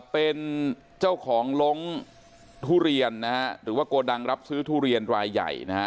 เป็นเจ้าของลงทุเรียนนะฮะหรือว่าโกดังรับซื้อทุเรียนรายใหญ่นะฮะ